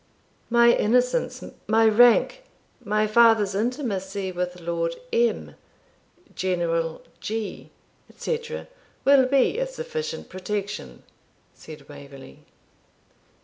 'My innocence, my rank, my father's intimacy with Lord M , General G , etc., will be a sufficient protection,' said Waverley.